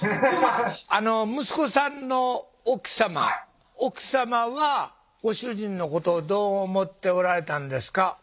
息子さんの奥さま奥さまはご主人のことどう思っておられたんですか？